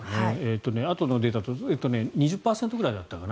あとのデータで２０％ぐらいだったかな。